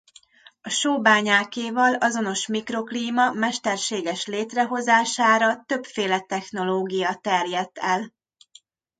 A sóbányákéval azonos mikroklíma mesterséges létrehozására többféle technológia terjedt el.